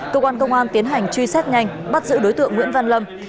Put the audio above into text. cơ quan công an tiến hành truy xét nhanh bắt giữ đối tượng nguyễn văn lâm